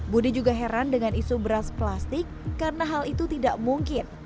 budi juga heran dengan isu beras plastik karena hal itu tidak mungkin